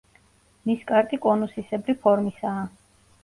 ნისკარტი კონუსისებრი ფორმისაა.